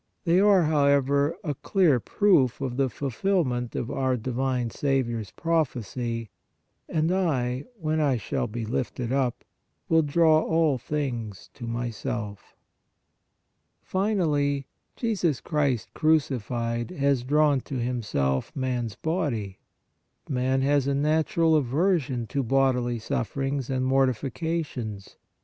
They are, however, a clear proof of the fulfilment of our divine Saviour s prophecy :" And I, when I shall be lifted up, will draw all things to Myself." 4. Finally, Jesus Christ crucified has drawn to EPILOGUE 209 Himself MAN S BODY. Man has a natural aversion to bodily sufferings and mortifications.